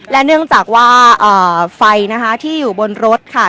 และเนื่องจากว่าไฟนะคะที่อยู่บนรถค่ะ